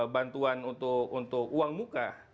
bantuan untuk uang muka